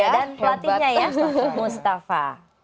dan pelatihnya ya mustafa